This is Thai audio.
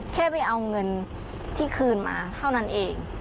แค่ไปเอาเงินที่คืนมาเท่านั้นเอง